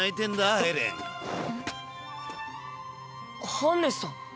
ハンネスさん。